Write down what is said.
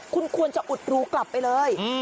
คุณควรจะอุดรูกลับไปเลย